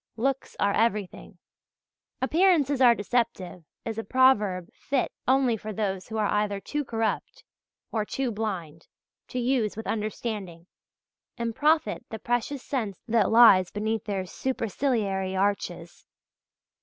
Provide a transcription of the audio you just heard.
Looks are everything. "Appearances are deceptive," is a proverb fit only for those who are either too corrupt or too blind to use with understanding and profit the precious sense that lies beneath their superciliary arches.